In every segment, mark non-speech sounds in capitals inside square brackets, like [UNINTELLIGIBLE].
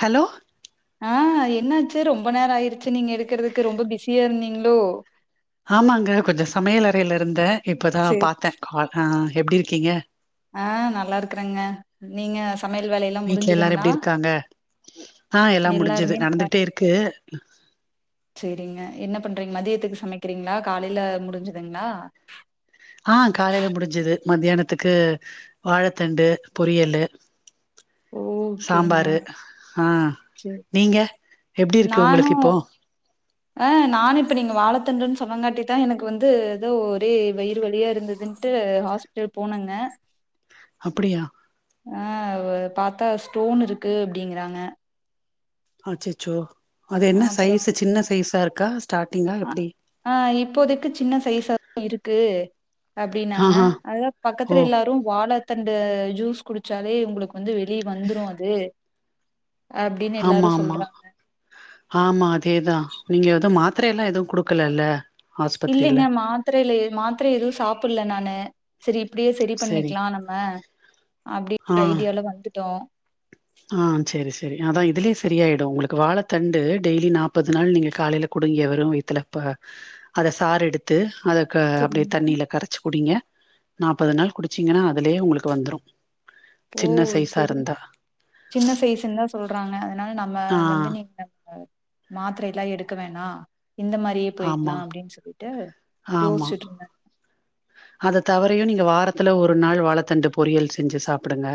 Hello ஆஹ் என்ன ஆச்சு ரொம்ப நேரம் ஆயிருச்சு நீங்க எடுக்கறதுக்கு ரொம்ப பிஸியா இருந்தீங்களோ ஆமாங்க கொஞ்சம் சமையல் அறையில இருந்த இப்போதா சேரி பாத்தேன் கால் எப்டி இருக்கீங்க ஆஹ் நல்லா இருகறங்க நீங்க சமையல் வேலையெல்லா வீட்டு்ல எல்லாரும் முடிஞ்சுதுங்களா எப்படி இருக்காங்க ஆஹ் எல்லாம் முடிஞ்சுது எல்லாருமே நல்லா நடந்துகிட்டே இருக் இருக்கு சேரிங்க என்ன பண்றீங்க மதியத்துக்கு சமைக்கிறீங்களா காலையில முடிஞ்சுதுங்களா ஆஹ் காலையில முடிஞ்சது மத்தியானத்துக்கு வாழைத்தண்டு பொரியலூ ஓகேங்க சாம்பாரு ஆஹ் சேரி நீங்க எப்படி இருக்கு உங்களுக்கு இப்போ ஆஹ் நானும் இப்ப நீங்க வாழத்தண்டு சொன்னாகா காட்டி தா எனக்கு வந்து ஏதோ ஒரே வயிறு வழியா இருந்ததுட்டு ஹாஸ்பிட்டல் போனுங்க அப்புடியா ஆங் பாத்தா ஸ்டோனுருக்கு அப்டிங்கிறாங்க அச்ச ச்சோ அது என்ன சைஸ சின்ன சைஸாருக்க காஸ்ட் அ் ஆங் இப்போதைகு சின்ன சைஸ் தா இருக்கு ககு அப்டினாங்க ஆஹா அதான் ஓ பக்கத்துல எல்லாரும் வாழத் தண்டு ஜூஸ் குடிச்சாலே உங்களுக்கு வந்து வெளிய வந்துரும் அது அப்டின்னு ஆமா எல்லாரும் ஆமா சொல்றாங்க. ஆமா அதேதான் நீங்க எதோ மாத் த்திர எல்லாம் எதும் குடுக்கலல்ல ஆஸ்பத்திரில இல்லைங்க மாத்திரில மாத்திர எதுவும் சாப்புல்ல நானு சரி இப்டியே சரி செரி பண்ணிக்கலாம் நம்ம அப்படி ஆ ஹ ஐடியாவாலாம் வந்துட்டோம் ஆ செரி செரி அதான் இதுலயே சரியாயிடும் உங்களுக்கு வாழ தண்டு டெய்லி நாப்பது நாள் நீங்க காலைல குடிங்க வெரும் வயத்துல அத சாறு எடுத்து அதுக்கு அப்டியே சரிங்க. தண்ணில கரச்சு குடிங்க நாப்பது நாள் குடிச்சீங்கன்னா அதுலயே உங்களுக்கு வந்துரும் ஓ! சின்ன சைசா சரி. இருந்தா சின்ன சைசஸ்ு ன்னு தான் சொல்றாங் ங்க ன நம்ம ஆ வந்து நீங்க [UNINTELLIGIBLE] மாத்திரை எல்லாம் எடுக்க வேணா இந்த மாதிரியே ஆமா போயிக்கலாம் அப்டின்னு சொல்லிட்டு ஆமா யோசிச்சுட்டு இருந்தன் இந்த வாரத்துல ஒரு நாள் வாழைத்தண்டு பொரியல் செஞ்சு சாப்பிடுங்க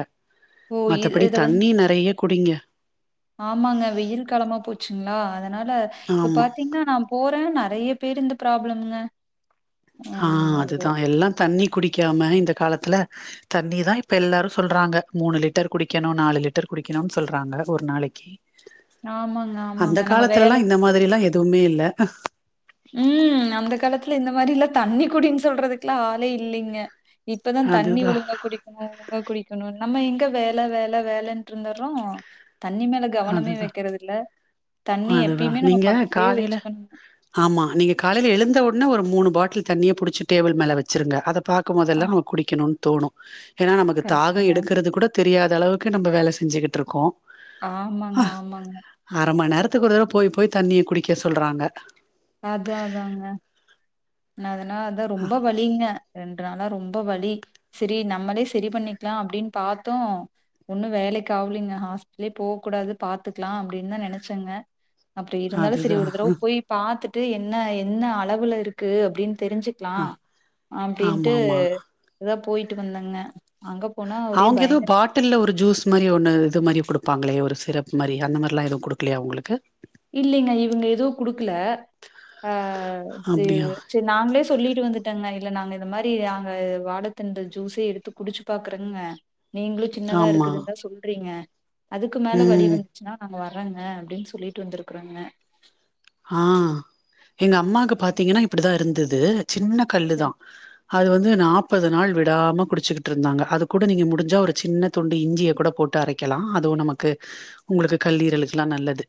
ஓ! இ மத்தபடி இத வந்து தண்ணி நறையக் குடிங்க ஆமாங்க வெயில் காலமா போச்சுங்களா அதன் அதனால இப்ப ஆமா பாத்தீகன்னா நான் போறேன் ந நறைய பேரு இந்த ப்ராப்ளம்ங்க ஆ ம். ஒரு அதுதான் எல்லாம் தண்ணி குடிக்காம இந்த காலத்துல தண்ணி தான் இப்ப எல்லாரும் சொல்றாங்க மூணு லிட்டர் குடிக்கணும் நாலு லிட்டர் குடிக்கணுனு சொல்றாங்க ஒரு நாளைக்கு ஆமாங்க ஆமாங்க நம்ம வேல துவுமே இல்ல அஹ் ம் அந்த காலத்துல இந்த மாதிரிலா தண்ணி குடின் சொல்றதுக்கெல்லா ஆளே இல்லைங்க இப்பதா தண்ணி அதுதான், ஒழுங்கா குடிக்குணு நம்ப குடிக்குணுனு நம்ம எங்க வேல வேல வேலேன்ட் இருந்தர்றோ தண்ணி மேல கவனமே அதுதான், வைக்கறதில்ல தண்ணி அதுதான். எப்பயுமே நம்ம நீங்க பக்கத்திலயே காலையில வச்சுக்கணுங்க ஆமா. நீங்க காலைல எழுந்த ஒடனே ஒரு மூணு பாட்டில் தண்ணிய புடிச்சு டேபிள் மேல வச்சிருங்க அத ஆ பாக்கும்போதெல்லா நாம குடிக்குணு தோணு ஏன்னா நமக்கு தாகோ கரெக்ட்டுங்க. எடுக்கறது கூட தெரியாத் அந்த அளவுக்கு நம்ப வேல செஞ்சுகிட்ருக்கோ ஆம்மாங்க ஆம்மாங்க த்துக்கு ஒரு தடவ போய் போய் தண்ணிய குடிக்க சொல்றாங்க அத அதாங்க நா அத நா அதா ரொம்ப வலிங்க த்னாலா ரொம்ப வழி சேரி நம்மளே சேரி பண்ணிக்லா அப்டின் பாத்தோ ஒன்னு வேலைக்கு ஆவ்லைங்க ஹாஸ்பிடலே போக் கூடாது பாத்துக்கலா அப்டின்தா நெனச்சங்க அப்டி இருந்தாலு சேரி அதுதான். ஒரு தடவ போய் பாத்துட் ட்டு என்ன என்ன அளவுல இருக்கு அப்டின் தெரிஞ்சுக்கலா ஆ அப்டின்ட்டு ஆமாமா. போய்ட்டு வந்தங்க அவுங்க ஏதோ பாட்டில்ல ஒரு ஜூஸ் மாரி ஒன்னு இது மாரி கொடுக் ப்பாங்களே ஒரு சிரப் மாரி அந்த மாரிலா எதுவு குடுக்கலையா உங்குளுக்கு இல்லைங்க இவுங்க எதுவு குடுக்கல ஆஹ் து அப்டியா சேரி நாங்களே சொல்லிட்டு வந்துட்டேங்க இல்ல நாங்க இந்த மாரி நாங்க அ வாழத்தண்டடு ஜுசே எடுத்து குடிச்சு பாக்குறங்க நீங்குளு சின்னதா ஆமா இருக்குதுன் தா சொல்றீங்க அதுக்கு மேல வழி ம் வந்துச்சுனா நாம் வர்றங்க அப்டின் சொல்லிட் ட்டு வந்திருக்கறோங்க ஆஹ் எங்க அம்மாக்கு பாத்தீங்கன்னா இப்டிதா இருந்துது சின்ன சரி கல்லுதா அது வந்து நாப்பது நாள் விடாம குடிச்சுக்கிட் இருந்தாங்க அது கூட நீங்க முடிஞ்சா ஒரு சின்ன துண்டு இஞ்சிய கூட போட்டு அரைக்கலா அதுவு நமக்கு உங்குளுக்கு கல்லீரலுக்லா நல்லது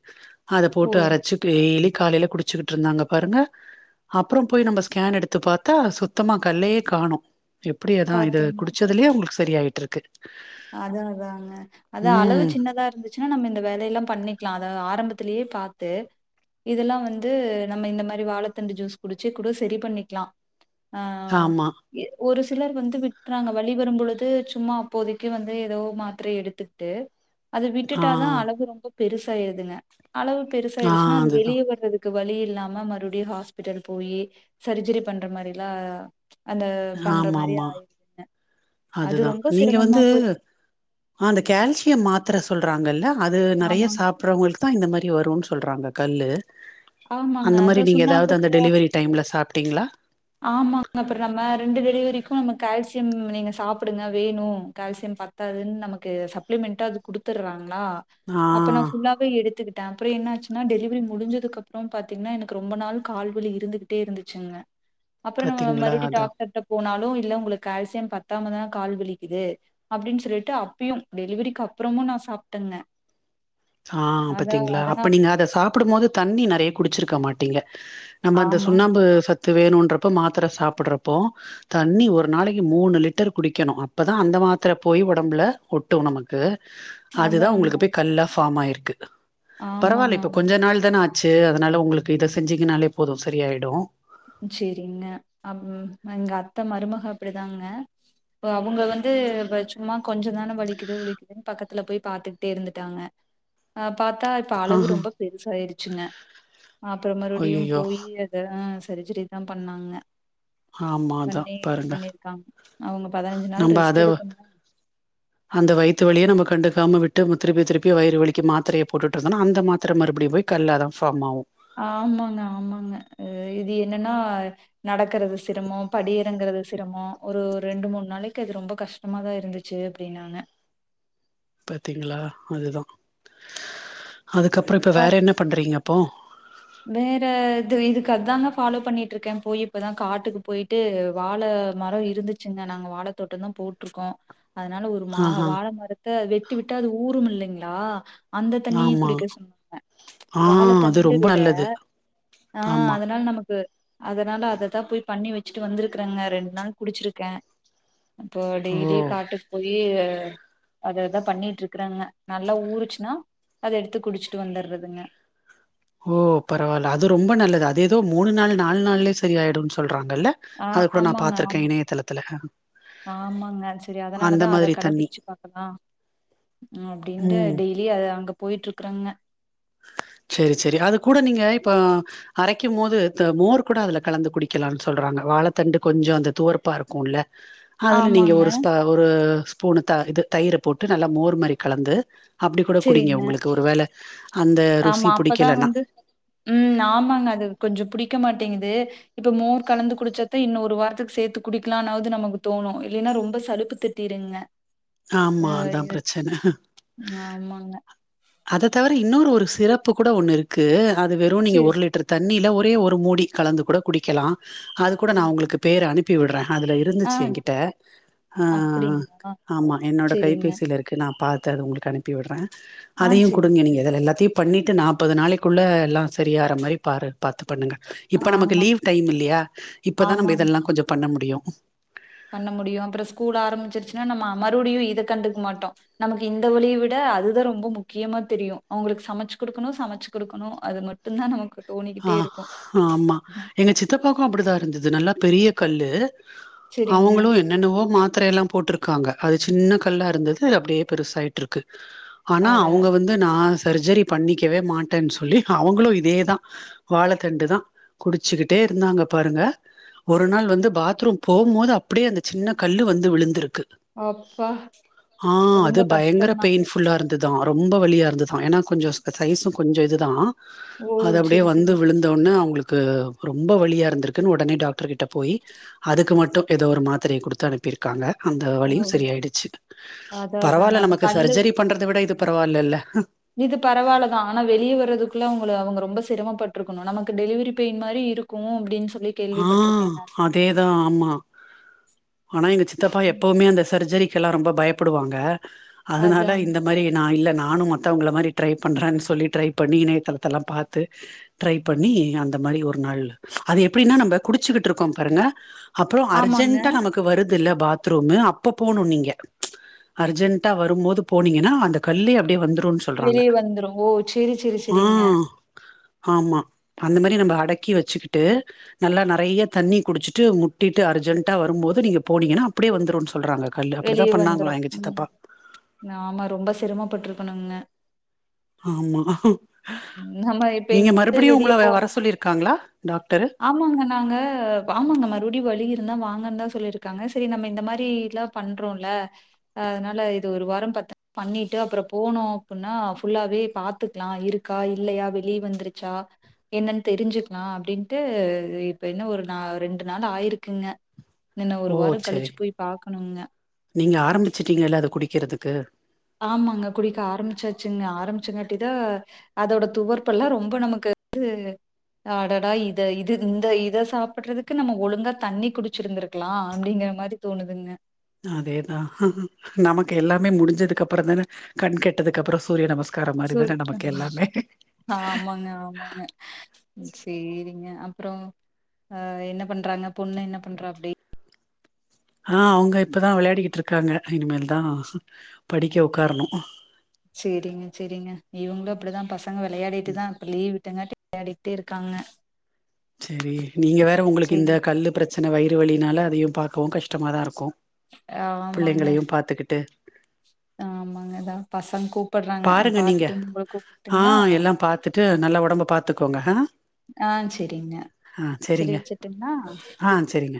அத ஓ போட்டு அரச்சு பைய்லி காலைல குடிச்சுக்கிட் இருந்தாங்க பாருங்க அப்றோ போய் நம்ம ஸ்கேன் எடுத்து பாத்தா சுத்தமா கல்லயே காணோ எப்டியதா இது குடிச்சதுலியே உங்குளுக்கு ஸ் ரெடியாயிட்டிருக்கு அததாங்க அத அளவு ம். சின்னதா இருந்துச் ச்சுன் நம்ம இந்த வேலயெல்லா பண்ணிக்லா அத ஆரம்பத்திலயே பாத்து இதெல்லா வந்து நம்ம இந்த மாரி வாழத்தண்டு ஜூஸ் குடிச்சு கூட சரி பண்ணிக்கலா ஆ ஆமா. ஆ ஒரு சிலர் வந்து விட்றாங்க வலி வரும்பொழுது சும்மா அப்போதிக் கிவந்து ஏதோ மாத்திர எடுத்துகிட்டு அது ஆ, விட்டுட்டாத அழவு ரொம்ப பெருசாயிருதுங்க அளவு ஆ பெருசாயிருச்னா அது அதுதான். வெளியே வறது க்கு வலி இல்லாம மறுபடியு ஹாஸ்பிட்டல் போயி சர்ஜரி பண்ற மாரிலா அந்த பண்ற மாரி ஆயிதுங்க அதுதா நீங்க வந்து உ அந்த கால்சியம் மாத்திர சொல் றாங்கல அது நெறய ஆமாங் சாப்றவங்களுக் தா இந்த மாரி வருனு சொல்றாங்க கல்லு ஆமாங்க அந்த மாரி அதா நீங்க ஏதாவது சுண்ணாம்புக்கு அந்த தான். டெலிவரி டைம்ல சாப் டிங்ளா ஆமாங்க அப்றோ நம்ம ரெண்டு டெலிவரிக்கு நம்ம கால்சியம் நீங்க சாப்டுங்க வேணு கால்சியம் பத்தாதுன்னு நமக்கு சப்ளிமெண்டா அது குடுத்துறாங்க லா ஆ அப்பனா ஃபுல்லாவே எடுத்துகிட் கிட்ட அப்றோ என்னச்சுனா டெலிவரி முடிஞ்சதுக்கப்பறோ பாத்தீங்கனா எனக்கு ரொம்ப நாள் கால்வலி இருந்துக்கிட்டே இருந்துச்சுங்க அப்பறோ நம்ம பாத்தீங்களா? மறுபடி அதான். டாக்டர்ட்ட போனாலு வு இல்ல உங்களுக்கு கால்சியம் பத்தமா தா கால் வலிக்குது அப்டின் சொல்லிட்டு அப்பியு டெலிவரிக்கு அப்புறமு நா சாப்ட்டங்க ஆ பாத்தீங்களா அப்ப நீங்க அத சாப்டு போது தண்ணி நெறய குடிச்சிருக்க மாட்டீங்க நம்ம அந்த ஆமா சுண்ணாம்பு சத்து வேணு றப்ப மாத்திர சாப்புட்றப்போ தண்ணி ஒரு நாளக்கி மூணு லிட்டர் குடிக்கணு அப்பதா அந்த மாத்திர போய் ஒடம்புல ஒட்டு நமக்கு அதுதா அதாங்க உங்களுக்கு போய் கல்லா ஃபார்ம் ஆயிருக்கு ஆமாங்க பரவால்ல இப்ப ஆமா கொஞ்ச நாள் தான ஆச் சேர் அதனால உங்ளுக்கு இத செஞ்சிகனாலே போது சரியாயிடு செரிங்க அம் எங்க அத்த மருமக அப்படிதாங்க அவுங்க வந்து சும்மா கொஞ்ச தான வலிக்குது வலிக்குதுனு பக்கத்துல போய் பாத்துக்கிட்டே இருந்துட்டாங்க அப் பாத்தா இப்ப அளவு ஆஹா ரொம்ப பெருசாயிருச்சுங்க அப்றோ மறுபடியு ஐயயோ போய் அத சரிஜரி தா பண்ணாங்க ஆமாதா பண்ணி இது பாருங்க பண்ணிருக்காங்க அவங்க பதினஞ்சு நாள் நம்ப அத ரெஸ்ட் எடுக்கணு அந்த வயித்து வலியே நம்ம கண்டு காம விட்டு ம திருப்பி திருப்பி வயிறு வலிக்கு மாத்திரய போட்டுட்ருந்தோனா அந்த மாத்திர மறுபடியு போய் கல்லா தா ஃபார்ம் ஆவு ஆமாங்க ஆமாங்க இது என்னனா நடக்கறது சிரமோ படி எறங்குறது சிரமோ ஒரு ரெண்டு மூணு நாளக்கி அது ரொம்ப கஷ்டமாதா இருந்துச்சு அப்டினாங்க பாத்தீங்களா அதுதா அதுக்கப்றோ இப்ப வேற பட் என்ன பண்றீங்க அப்போ வேற இது இதுக்கு அதாங்க ஃபாலோ பண்ணிட்டு இருக்கே போய் இப்பதா காட்டுக்கு போயிட்டு வாழ மரொ இருந்துச்சுங்க நாங்க வாழ தோட்டதா போட்டுருக்கோ அதனால ஒரு மா ஆஹா வாழ மரத்த வெட் விட்டு விட்டா அது ஊரும் இல்லைங்களா அந்த தண்ணியு ஆமா குடிக்க சொன்னாங்க ஆ வாழ அது தண்டு ரொம்ப விட நல்லது ஆஹ் ஆமா அதனால நமக்கு அதனால அததா போய் பண்ணி வெச்சுட்டு வந்ருக்காங்க ரெண்டு நாள் குடிச்சிருக்கே அப்போ ஓ டெய்லி காட்டுக்கு போய் இஎ அததா பண்ணிட்டு இருக்றாங்க நல்லா ஊருச்சுனா அத எடுத்து குடிச்சுட்டு வந்தறதுங்க ஓ பரவால அது ரொம்பொ நல்லது சொல்றாங்கல்ல ஆஹ் அது கூட நா ஆமாங்க பாத்திருக்கே ஆம் இணையதளத்துல ஆமாங்க செரி அந்த அதனாலதா அத மாதிரி தண்ணி கடபிட்ச்சு பாக்கலா அப்டின்டு ம் டெய்லி அ அங்க போய்ட் இருக்றாங்க சேரி சேரி அது கூட நீங்க இப்ப அரைக்கும் போது மோர் கூட அதுல கலந்து குடிக்கலா சொல்றாங்க வாழ தண்டு கொஞ்சொ அந்த துவர்ப்பா இருக்குல அதுல நீங்க ஆமாங்க ஒரு ஸ்பா ஒரு ஸ்பூனுதா இது தயிர போட்டு நல்லா மோர் மாதரி கலந்து அப்டி கூட குடிங்க சரிங்க உங்ளுக்கு ஒரு வேல ஆமா அப்பதா வந்து உம் ஆமாங்க அது கொஞ்சொ புடிக் க மாட்டிங்குது இப்ப மோர் கலந்து குடிச்சத இன்னு ஒரு வாரத்துக் சேத்து குடிக்கலனாவது நமகு தோணு இல்லனா ரொம்ப சலுப்பு திட்டிருங்க ஆமா அதா ப்ரச்சன ஆமாங்க அத தவிர இன்னொரு ஒரு சிறப்பு கூட ஒண்ணு இருக்கு அது வெறு நீங்க சரி ஒரு லிட்டர் தண்ணில ஒர் ஒரே ஒரு மூடி கலந்து கூட குடிக்கலா அது கூட நா உங்ளுக்கு பேர் அனுப் பி விடுற அதுல ஆ இருந்துச்சு என்கிட்ட அஹ் அப்டிங்களா ஆமா என்னோட சரிங்க கைபேசில இருக்குது நா பாத் தரு உங்ளுக்கு அனுப்பி விடுறே ஆ அதையு சரிங்க குடுங்க நீங்க எதுல எல்லாத்தையு பண்ணிட்டு நாப்பது நாளைகுள்ள எல்லா செரிய ஆற மாரி பாரு பாத் பண்ணுங்க இப்ப நமக்கு ஆமா லீவ் டைம் இல்லியா இப்பதா நம்ம ஆமாங்க. இதெலா கொஞ்சொ பண்ண முடியு [INAUDIBLE] பண்ண முடியு அப்றொ ஸ்கூல் ஆரம்பிச்சிருச்சுனா நம்ம அமருவுடியு இத கண்டுக்க மாட்டோ நமக்கு இந்த வலிய விட அதுதா ரொம்ப முக்கியமா தெரியு அவங்ளுக்கு சமச்சு குடுக்கணு சமச்சு குடுக்கணு அது மட்டும்தான் நமக்கு தோணிக்கிட்டே ஆஹ் இருக்கும். ஆஹ் ஆமா ம்ஹும். எங்க சித்தப்பாகும் அப்படி தா இருந்து நல்ல பெரிய கல்லு சரிங்க. அவங்களும் என்னென்னவோ மாத்த பத்திரைய எல்லாம் போட்டிருக்காங்க அது சின்ன கல்லாக இருந்தது அப்படியே பெருசாயிட்டு இருக்கு ஆனா அட! அவங்க வந்து நா சர்ஜரி பண்ணிக்கவே மாட்டேன்னு சொல்லி அவங்களும் இதே தா வாழத்தண்டு தான் குடிச்சுக்கிட்டே இருந்தாங்க பாருங்க ஒரு நாள் வந்து பாத்ரூம் போகும்போது அப்படியே அந்த சின்ன கல்லு வந்து விழுந்துருக்கு அப்பா! ஆஹ் அது ரொம்ப பயங்கர கஷ்டம் தான். பெயின்புல்லா இருந்து இதுதான் ரொம்ப வலியா இருந்து தான் ஏன்னா கொஞ்சம் சைஸும் கொஞ்சம் இதுதான் ஓ! அது அப்படியே சரி, சரி. வந்து விழுந்தோன்னே அவங்களுக்கு ரொம்ப வலியா இருந்திருக்குன்னு உடனே டாக்டர் கிட்ட போய் அதுக்கு மட்டும் மட்டும் ஏதோ ஒரு மாத்திரையை கொடுத்து அனுப்பியிருக்காங்க அந்த ஓ! வலியும் சரி ஆயிடுச்சு அதான் அதாங்க. பரவாயில்ல அப்ப நமக்கு கல்லு சர்ஜரி பண்றத விட இது பரவாலெல்ல இது பரவாயில்ல தான் ஆனா வெளியே வரதுக்குள்ள அவங்கள அவங்கொ ரொம்ப சிரமப்பட்டிருக்கணும் நமக்கு டெலிவரி பெயின் மாதிரி இருக்கும் அப்படின்னு சொல்லி கேள்விப்பட்டுருக்கேன் ஆஹ் நானு. அதேதான் ஆமா ஆனா எங்க சித்தப்பா எப்பவுமே அந்த சர்ஜரி எல்லாம் ரொம்ப பயப்படுவாங்க அதனால அதாங்க. இந்த மாதிரி நான் இல்ல நானும் மத்தவங்கள மாதிரி ட்ரை பண்றே சொல்லி ட்ரை பண்ணி இணையதளத்தெல்லாம் பார்த்து ட்ரை பண்ணி அந்த மாதிரி ஒரு நாள் அதே எப்டினா நம்ம குடிச்சுட்டு இருக்கும் பாருங்க அப்புறம் ஆமாங்க. அர்ஜண்டா நமக்கு வருது இல்ல பாத்ரூம் அப்ப போனும் நீங்க அர்ஜென்டா வரும்போது போனீங்கன்னா அந்த கல்லே அப்படியே வந்துடும் வெளியே வந்துரும் ஓ சரி சரி ஆ சரிங்க ஆமா அந்த மாதிரி நம்ம அடக்கி வச்சுக்கிட்டு நல்லா நிறைய தண்ணி குடிச்சுட்டு முட்டிட்டு அர்ஜென்டா வரும்போது நீங்க போனீங்கன்னா அப்படியே வந்துடும் வெளியே வந்துரும் உம் நாம ரொம்ப சிரம பட்ருக்கோம் ண்ணுங்க ஆமா நம்ம இப்ப நீங்க எங்க மறுபடியு வெளியே உங்கள வர போறோம் சொல்லிருக்காங்களா டாக்டரு ஆமாங்க நாங்க ஆமாங்க மறுபடியும் வழி இருந்தா வாங்க தான் சொல்லியிருக்காங்க சரி நம்ம இந்த மாதிரி எல்லாம் பண்றோம்ல அதனால இது ஒரு வாரம் பத்து பண்ணிட்டு அப்புறம் போனோம் அப்படின்னா ஃபுல்லாவே பாத்துக்கலாம் இருக்கா இல்லையா வெளியே வந்துருச்சா என்னன்னு தெரிஞ்சுக்கலாம் அப்படின்ட்டு இப்ப என்ன ஒரு நா ரெண்டு நாள் ஆயிருக்குங்க இன்னு ஒரு ஓ வாரம் செரி கழிச்சு போயி் பாக்கணுங்க நீங்க ஆரம்பிச்சட்டீங்கல்ல அத குடிக்கிறதுக்கு ஆமாங்க குடிக்க ஆரம்பிச்சாச்சுங்க ஆரம்பிச்சுங்காட்டிதான் அதோட துவர்ப்பெல்லாம் ரொம்ப நமக்கு வந்து அடடா இத இது இந்த இதை சாப்பிடுறதுக்கு நம்ம ஒழுங்கா தண்ணி குடிச்சிருந்திருக்கலாம் அப்படிங்கிற மாதிரி தோணுதுங்க அதேதான்ஹ நமக்கு எல்லாமே முடிஞ்சதுக்கு அப்புறம் தானே கண் கெட்டதுக்கு அப்புறம் சூரிய நமஸ்கம் சோ ஆமாங்க ஆமாங்க சரிங்க அப்புறோ அஹ் என்ன பண்றாங்க பொண்ணு என்ன பண்றாப்டி ஆஹ் அவங்க இப்பதா விளையாடிட்ருக்காங்க இனிமேல் தா படிக்க உக்காரனு சேரிங்க சேரிங்க இவங்களு அப்படிதா பச விளையாடிட்டு தா இப்ப லீவ் தெனாட்டி விளையாடிட்டே இருக்காங்க செரி நீங்க வேற உங்ளுக்கு சரி. இந்த கல்லு பிரச் சின்ன வயிறு வலினால அதையு பாக்கவு கஷ்டமா தா இருக்கு ஆமாங்க பிள்ளைங்களையு பாத்துக்கிட்டு ஆமாங்கதா பசங்க கூப் கூப்றாங்க நா பாருங்க பாத்துட்டு வந்து உங்கள கூப்ட்டுங்ளா டு நல்லா ஒடம்ப பாத்துக்கோங்க ஆ ஆஹ் செரிங்க ஆ செரி செரிங்க வெச்சுருட்டுங்ளா ஆ செரிங்க